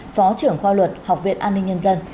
phó trưởng khoa luật học viện an ninh nhân dân